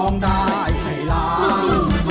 ร้องได้ให้ล้าน